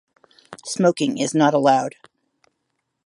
Smoking is not allowed.